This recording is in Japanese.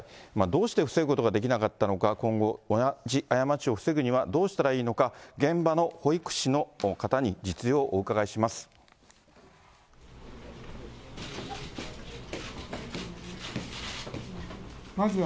どうして防ぐことができなかったのか、今後、同じ過ちを防ぐにはどうしたらいいのか、現場の保育士の方に実情をお伺いします。